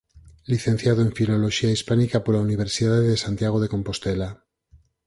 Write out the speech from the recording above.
Licenciado en Filoloxía Hispánica pola Universidade de Santiago de Compostela.